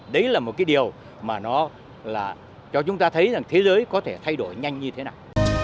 đấy là một cái điều mà nó là cho chúng ta thấy rằng thế giới có thể thay đổi nhanh như thế nào